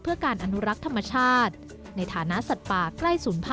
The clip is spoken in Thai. เพื่อการอนุรักษ์ธรรมชาติในฐานะสัตว์ป่าใกล้๐๐